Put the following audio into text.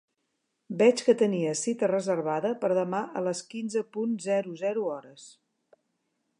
Veig que tenia cita reservada per demà a les quinze punt zero zero hores.